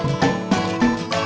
demikian harapan saya